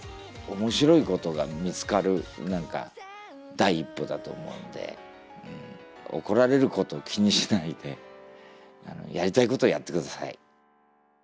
何か第一歩だと思うんで怒られることを気にしないでやりたいことをやって下さい。